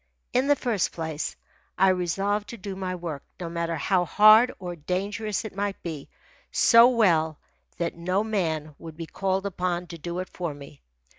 In the first place, I resolved to do my work, no matter how hard or dangerous it might be, so well that no man would be called upon to do it for me.